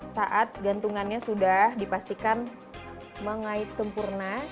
saat gantungannya sudah dipastikan mengait sempurna